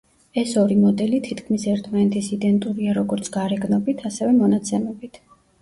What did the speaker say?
ეს ორი მოდელი თითქმის ერთმანეთის იდენტურია როგორც გარეგნობით, ასევე მონაცემებით.